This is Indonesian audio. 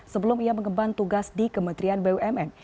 sebelum ia mengembang tugas di kementerian bumn